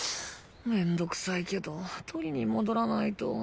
めんどくさいけど取りに戻らないと。